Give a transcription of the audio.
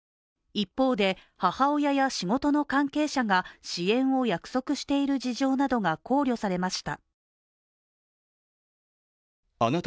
一方で、母親や仕事の関係者が支援を約束している事情などが考慮されました。